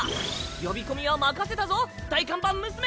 呼び込みは任せたぞ大看板娘！